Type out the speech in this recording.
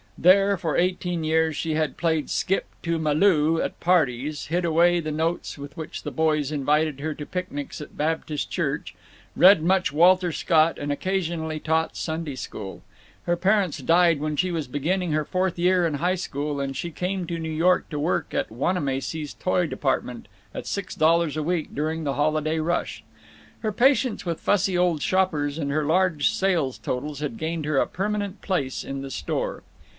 There, for eighteen years, she had played Skip to Malue at parties, hid away the notes with which the boys invited her to picnics at Baptist Beach, read much Walter Scott, and occasionally taught Sunday school. Her parents died when she was beginning her fourth year in high school, and she came to New York to work in Wanamacy's toy department at six dollars a week during the holiday rush. Her patience with fussy old shoppers and her large sales totals had gained her a permanent place in the store.